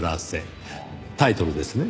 タイトルですね？